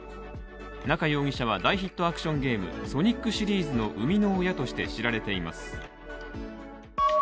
中容疑者は大ヒットアクションゲームソニックシリーズの生みの親として知られています。